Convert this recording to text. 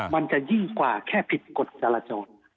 มันจะยิ่งกว่าแค่ผิดกฎจราจร